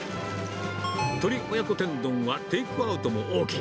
鳥親子天丼はテイクアウトもＯＫ。